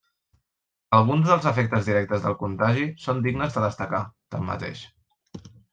Alguns dels efectes directes del contagi són dignes de destacar, tanmateix.